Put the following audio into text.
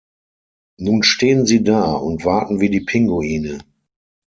Nun stehen sie da und warten wie die Pinguine.